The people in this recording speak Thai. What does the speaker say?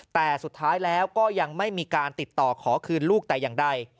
แต่สุดท้ายแล้วก็ยังไม่มีการติดต่อขอคืนลูกแต่อย่างใด